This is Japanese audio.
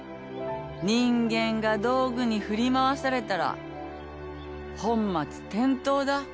人間が道具に振り回されたら本末転倒だ。